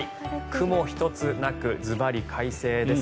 雲一つなくずばり快晴です。